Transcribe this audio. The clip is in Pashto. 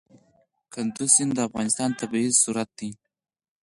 کندز سیند د افغانستان طبعي ثروت دی.